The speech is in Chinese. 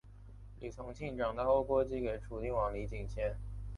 李从庆长大后过继给楚定王李景迁。